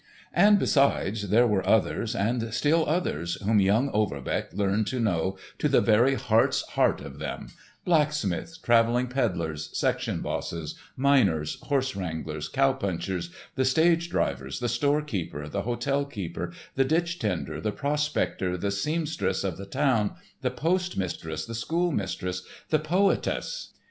And, besides, there were others and still others, whom young Overbeck learned to know to the very heart's heart of them: blacksmiths, traveling peddlers, section bosses, miners, horse wranglers, cow punchers, the stage drivers, the storekeeper, the hotel keeper, the ditch tender, the prospector, the seamstress of the town, the postmistress, the schoolmistress, the poetess.